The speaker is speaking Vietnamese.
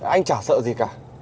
anh chả sợ gì cả